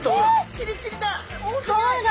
チリチリだ！